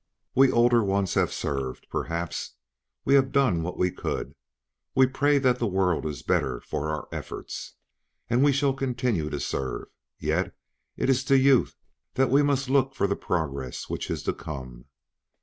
"We older ones have served, perhaps; we have done what we could; we pray that the world is better for our efforts! And we shall continue to serve; yet it is to youth that we must look for the progress which is to come.